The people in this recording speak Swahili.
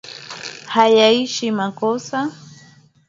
Hayaishi makosa,